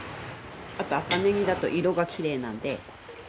あと赤ねぎだと色がきれいなので。